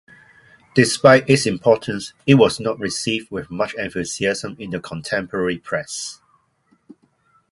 Despite its importance, it was not received with much enthusiasm in the contemporary press.